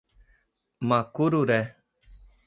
Macururé